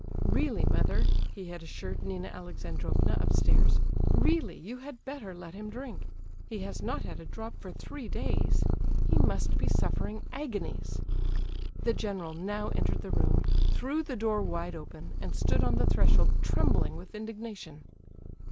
"Really, mother," he had assured Nina Alexandrovna upstairs, "really you had better let him drink. He has not had a drop for three days; he must be suffering agonies—" The general now entered the room, threw the door wide open, and stood on the threshold trembling with indignation.